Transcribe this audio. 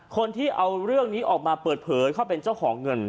คนที่เอาเรื่องนี้ออกมาเปิดเผยเขาเป็นเจ้าของเงิน